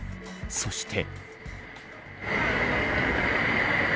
そして。